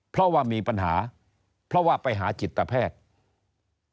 เพราะว่ามีปัญหาเพราะว่าไปหาจิตแพทย์